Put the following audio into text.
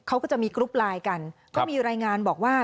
เขาก็จะมีกรุ๊ปไลน์กันก็มีรายงานบอกว่า